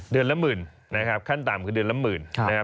เดือนละ๑๐๐๐๐ขั้นต่ำคือเดือนละ๑๐๐๐๐